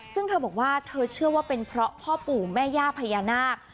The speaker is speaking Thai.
ซึ่งเธอบอกว่าเธอเชื่อว่าเป็นเพราะพ่อปู่แม่ย่าพญานาค